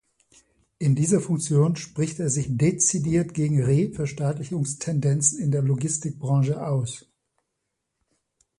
In dieser Funktion spricht er sich dezidiert gegen Re-Verstaatlichungstendenzen in der Logistikbranche aus.